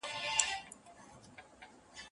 دا د پېړيو اتل مه ورانوی